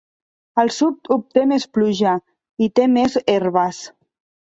El sud obté més pluja i té més herbes.